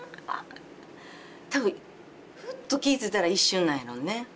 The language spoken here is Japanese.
多分ふっと気ぃ付いたら一瞬なんやろうね。